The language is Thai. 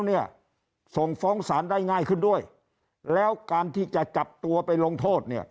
เนี่ยส่งฟ้องศาลได้ง่ายขึ้นด้วยแล้วการที่จะจับตัวไปลงโทษเนี่ย